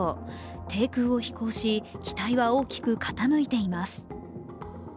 低空を飛行し、機体は大きく傾いています。